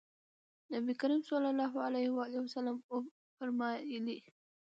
نبي کریم صلی الله علیه وسلم فرمایلي: